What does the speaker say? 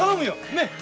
ねっ。